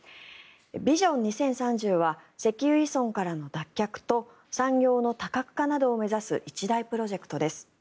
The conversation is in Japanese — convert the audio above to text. ビジョン２０３０は石油依存からの脱却と産業の多角化などを目指す一大プロジェクトです。